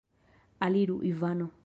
Aliru, Ivano!